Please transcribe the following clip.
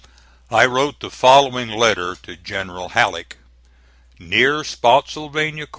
I wrote the following letter to General Halleck: NEAR SPOTTSYLVANIA C.